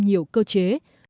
nhiều cơ chế